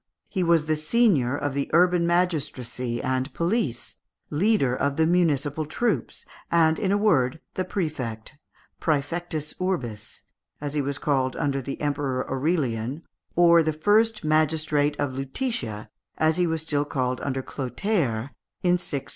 He was the senior of the urban magistracy and police, leader of the municipal troops, and, in a word, the prefect (præfectus urbis), as he was called under the Emperor Aurelian, or the first magistrate of Lutetia, as he was still called under Clotaire in 663.